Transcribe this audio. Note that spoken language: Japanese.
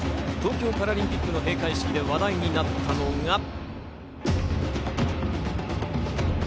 東京パラリンピックの閉会式で話題になったのが。